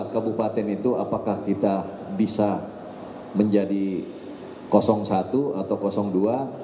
kabupaten itu apakah kita bisa menjadi satu atau dua